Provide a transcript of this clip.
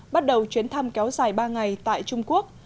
bắt đầu chuyến thăm kéo dài ba ngày tại trung quốc